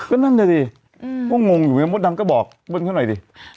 ก็นั่นน่ะสิก็งงอยู่ไงมดดำก็บอกเบิ้ลเขาหน่อยดิ